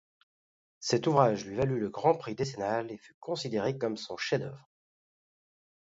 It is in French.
Cet ouvrage lui valut le grand prix décennal et fut considéré comme son chef-d’œuvre.